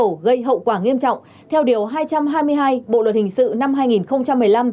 đấu thầu gây hậu quả nghiêm trọng theo điều hai trăm hai mươi hai bộ luật hình sự năm hai nghìn một mươi năm